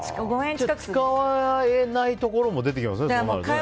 使えないところも出てきますね、そうしたら。